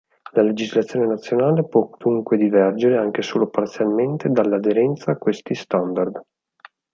La legislazione nazionale può dunque divergere, anche solo parzialmente, dall'aderenza a questi standard.